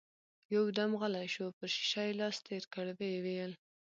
يودم غلی شو، پر شيشه يې لاس تېر کړ، ويې ويل: